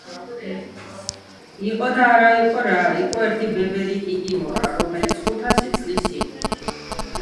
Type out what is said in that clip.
იყო და არა იყო რა იყო ერთი ბებერი კიკიმორა რომელიც ხუთასი წლის იყო